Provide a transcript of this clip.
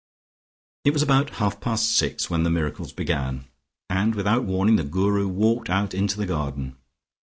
It was about half past six when the miracles began, and without warning the Guru walked out into the garden.